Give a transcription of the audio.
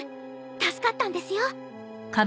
助かったんですよ。